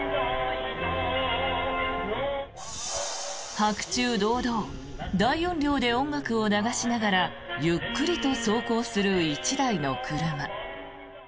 白昼堂々大音量で音楽を流しながらゆっくりと走行する１台の車。